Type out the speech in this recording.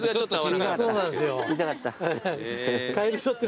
小さかった。